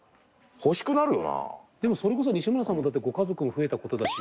でもそれこそ西村さんもだってご家族も増えた事だし。